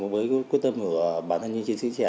với quyết tâm của bản thân những chiến sĩ trẻ